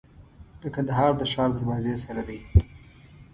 د کندهار د ښار دروازې سره دی.